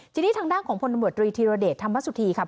ทีนี้ทางด้านของพนับบริษัทธิรดิสธรรมสุธีครับ